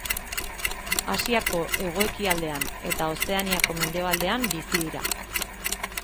Asiako hego-ekialdean eta Ozeaniako mendebaldean bizi dira.